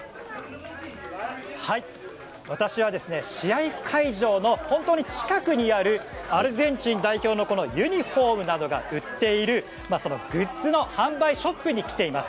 私は試合会場の本当に近くにあるアルゼンチン代表のユニホームなどが売っているグッズの販売ショップに来ています。